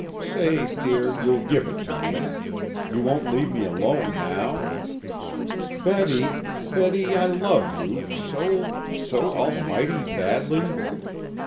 Say, dear, you'll give it me. You won't leave me alone now? Betty Betty, I love you so so almighty badly."